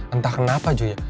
entah kenapa jo